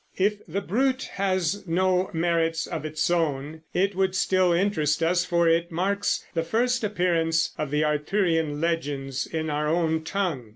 If the Brut had no merits of its own, it would still interest us, for it marks the first appearance of the Arthurian legends in our own tongue.